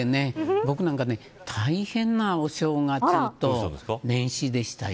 僕なんか、大変なお正月で年始でしたよ。